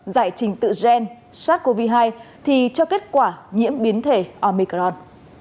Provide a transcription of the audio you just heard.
giải trình tự gen sars cov hai thì cho kết quả nhiễm biến thể omicron